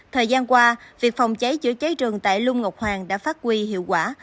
thời gian qua việc phòng cháy chữa cháy rừng tại lung ngọc hoàng đã phát huy hiệu quả